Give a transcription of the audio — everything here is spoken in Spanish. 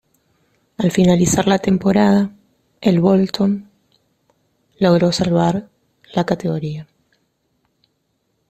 Al finalizar la temporada, el Bolton logró salvar la categoría.